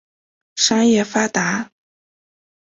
商业发达。